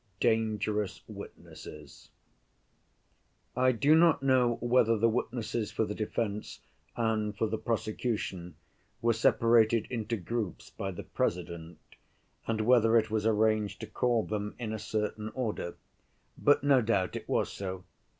Dangerous Witnesses I do not know whether the witnesses for the defense and for the prosecution were separated into groups by the President, and whether it was arranged to call them in a certain order. But no doubt it was so.